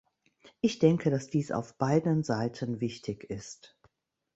Ich denke, dass dies auf beiden Seiten wichtig ist.